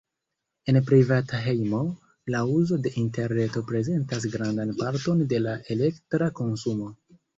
En privata hejmo, la uzo de interreto prezentas grandan parton de la elektra konsumo.